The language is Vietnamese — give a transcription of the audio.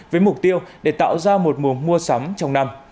với mục tiêu để tạo ra một mùa mua sắm trong năm